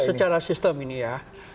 secara sistem ini ya